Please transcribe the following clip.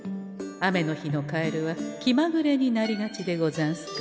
雨の日のカエルはきまぐれになりがちでござんすから。